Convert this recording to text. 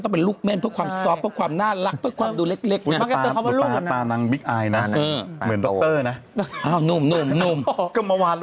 แต่ต้องเป็นลูกเม่นเพราะความซอบน่ารักเพราะความดูเล็ก